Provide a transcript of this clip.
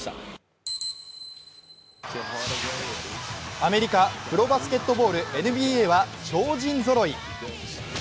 アメリカ・プロバスケットボールＮＢＡは超人ぞろい。